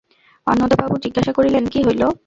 অন্নদাবাবু জিজ্ঞাসা করিলেন, কী হইল?